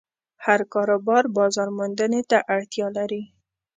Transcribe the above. هر کاروبار بازارموندنې ته اړتیا لري.